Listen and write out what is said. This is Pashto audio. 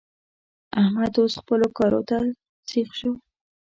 احمد اوس خپلو کارو ته سيخ شو.